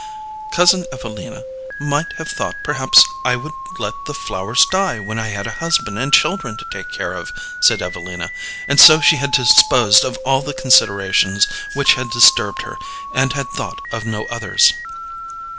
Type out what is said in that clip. "Cousin Evelina might have thought perhaps I would let the flowers die when I had a husband and children to take care of," said Evelina. And so she had disposed of all the considerations which had disturbed her, and had thought of no others.